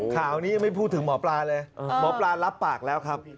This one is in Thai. ข่าวนี้ยังไม่พูดถึงหมอปลาเลยหมอปลารับปากแล้วครับ